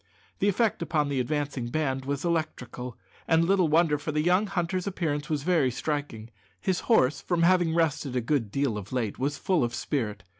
The effect upon the advancing band was electrical; and little wonder, for the young hunter's appearance was very striking. His horse, from having rested a good deal of late, was full of spirit.